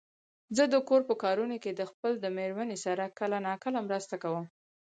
زه د کور په کارونو کې خپل د مېرمن سره کله ناکله مرسته کوم.